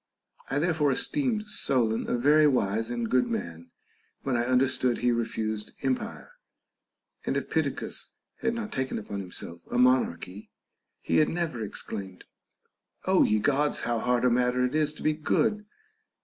I therefore esteemed Solon a very wise and good man, when I under stood he refused empire ; and if Pittacus had not taken upon himself a monarchy, he had never exclaimed, Ο ye ( rods ! how hard a matter it is to be good